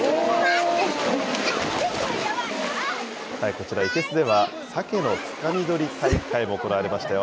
こちら、いけすではさけのつかみ取り大会も行われましたよ。